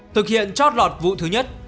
thực hiện trót lọt vụ thứ nhất